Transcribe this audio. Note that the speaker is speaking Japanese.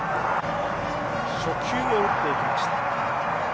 初球を打っていきました。